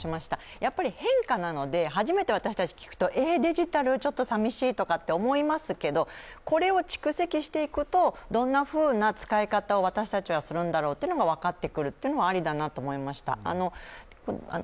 やっぱり変化なので初めて私たち聞くと、え、デジタル、ちょっと寂しいとか思いますけど、これを蓄積していくとどんなふうな使い方を私たちはするんだろうっていうのが分かってくるっていうのはありだなと思いました。